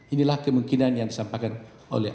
inilah kemungkinan yang disampaikan oleh